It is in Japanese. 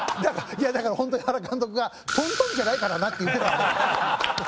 だから本当に原監督が「トントンじゃないからな」って言ってたんで。